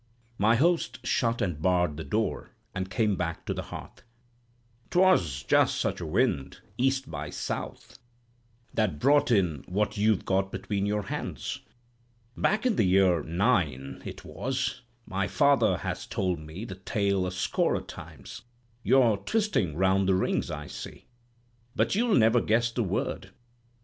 My host shut and barred the door, and came back to the hearth. "'Twas just such a wind—east by south—that brought in what you've got between your hands. Back in the year 'nine, it was; my father has told me the tale a score o' times. You're twisting round the rings, I see. But you'll never guess the word.